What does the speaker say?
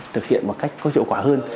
thực hiện một cách có hiệu quả hơn